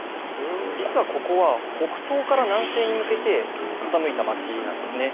実はここは北東から南西に向けて傾いた町なんですね。